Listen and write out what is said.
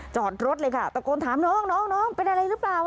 จอดรถเลยค่ะตะโกนถามน้องน้องเป็นอะไรหรือเปล่า